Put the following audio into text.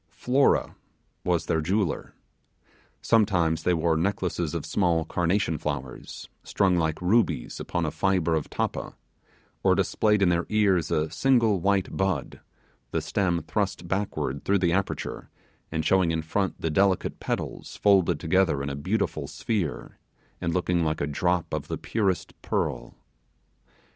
Flora was their jeweller. Sometimes they wore necklaces of small carnation flowers, strung like rubies upon a fibre of tappa, or displayed in their ears a single white bud, the stem thrust backward through the aperture, and showing in front the delicate petals folded together in a beautiful sphere, and looking like a drop of the purest pearl.